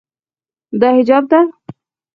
دا حجاب ده.